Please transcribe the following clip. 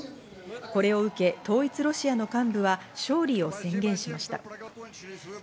これを受け、統一ロシアの幹部は勝利を宣言しました。